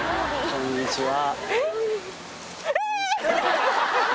こんにちは。